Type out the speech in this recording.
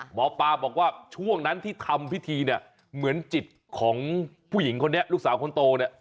หมอปลาบอกว่าช่วงนั้นที่ทำพิธีเนี่ยเหมือนจิตของผู้หญิงคนนี้ลูกสาวคนโตเนี่ย